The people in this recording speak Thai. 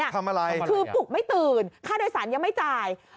ทำอะไรคือปลุกไม่ตื่นค่าโดยสารยังไม่จ่าย